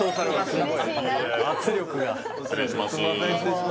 すごい圧力が失礼します